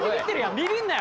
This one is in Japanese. ビビんなよ。